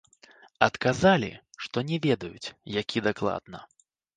Адказалі, што не ведаюць, які дакладна.